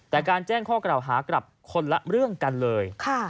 แต่การแจ้งข้อกล่าวหากลับคนละเรื่องกันเลย